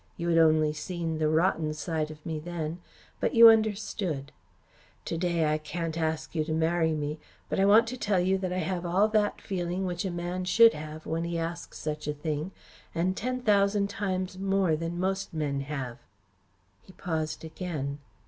You had only seen the rotten side of me then, but you understood. To day I can't ask you to marry me, but I want to tell you that I have all that feeling which a man should have when he asks such a thing, and ten thousand times more than most men have." He paused again.